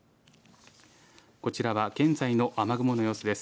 こちらは現在の雨雲の様子です。